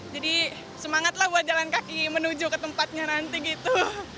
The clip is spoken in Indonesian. semangat lah buat jalan kaki menuju ke tempatnya nanti gitu